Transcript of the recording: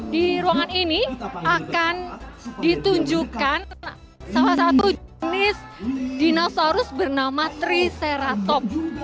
di ruangan ini akan ditunjukkan salah satu jenis dinosaurus bernama triceratop